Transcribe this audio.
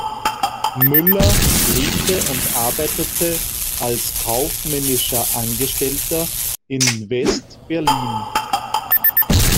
Müller lebte und arbeitete als kaufmännischer Angestellter in West-Berlin.